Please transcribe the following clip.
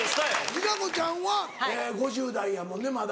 ＲＩＫＡＣＯちゃんは５０代やもんねまだ。